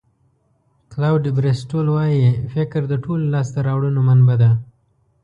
کلوډ بریسټول وایي فکر د ټولو لاسته راوړنو منبع ده.